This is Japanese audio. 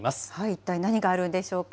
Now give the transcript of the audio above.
一体何があるんでしょうか。